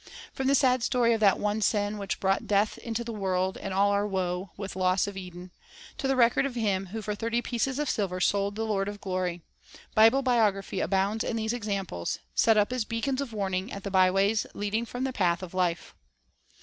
From the sad story of that one sin which "brought death into the world, and all our woe, with loss of Eden," to the record of him who for thirty pieces of silver sold the Lord of glory, Bible biography abounds in these examples, set up as beacons of warning at the byways leading from the path of life.